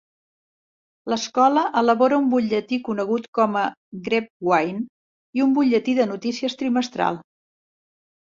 L'escola elabora un butlletí conegut com a 'Grapevine' i un butlletí de notícies trimestral.